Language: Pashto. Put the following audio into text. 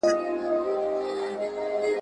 ځینو نااهلو کسانو، چي زه یقین لرم `